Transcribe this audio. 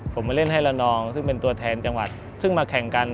ผมมาเล่นให้ละนองซึ่งเป็นตัวแทนจังหวัดซึ่งมาแข่งกัน